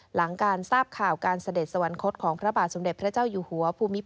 หลังการทราบข่าวการเสด็จสวรรคตของพระบาทสมเด็จพระเจ้าอยู่หัวภูมิพล